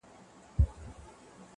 هغه نجلۍ مي اوس پوښتنه هر ساعت کوي.